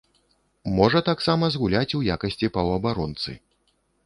Можа таксама згуляць у якасці паўабаронцы.